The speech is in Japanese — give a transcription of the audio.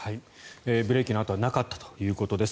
ブレーキの跡はなかったということです。